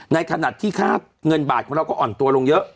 ในขณะที่เงินบาทมากอ่อนตัวลงเยอะ